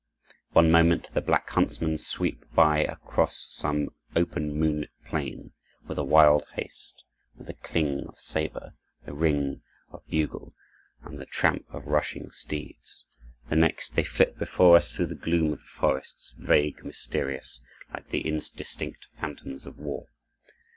One moment the "Black Huntsmen" sweep by us across some open moonlit plain, with a wild haste, with the clang of saber, the ring of bugle, and the tramp of rushing steeds; the next they flit before us through the gloom of the forests, vague, mysterious, like the indistinct phantoms of war.